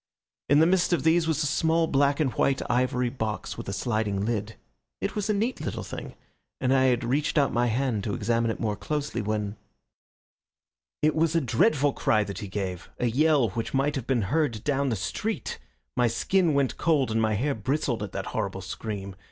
In the midst of these was a small black and white ivory box with a sliding lid. It was a neat little thing, and I had stretched out my hand to examine it more closely, when It was a dreadful cry that he gave a yell which might have been heard down the street. My skin went cold and my hair bristled at that horrible scream.